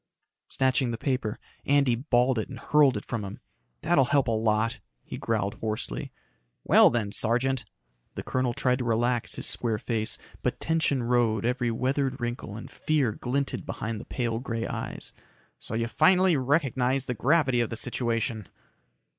Snatching the paper, Andy balled it and hurled it from him. "That'll help a lot," he growled hoarsely. "Well, then, Sergeant." The colonel tried to relax his square face, but tension rode every weathered wrinkle and fear glinted behind the pale gray eyes. "So you finally recognize the gravity of the situation."